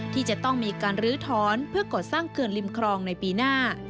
ที่จะต้องมีการลื้อถอนเพื่อก่อสร้างเขื่อนริมครองในปีหน้า